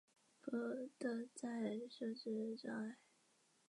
是非洲顶级的食肉动物。